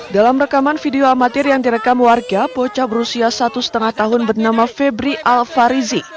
dalam rekaman video amatir yang direkam warga bocah berusia satu lima tahun bernama febri al farizi